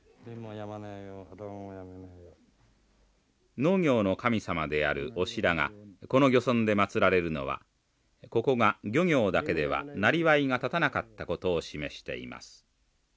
農業の神様であるオシラがこの漁村で祭られるのはここが漁業だけではなりわいが立たなかったことを示しています。